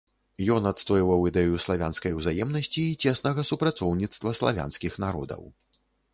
Ён адстойваў ідэю славянскай узаемнасці і цеснага супрацоўніцтва славянскіх народаў.